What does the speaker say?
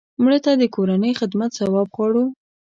مړه ته د کورنۍ خدمت ثواب غواړو